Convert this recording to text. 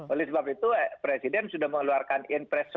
oleh sebab itu presiden sudah mengeluarkan inpres sembilan ratus dua puluh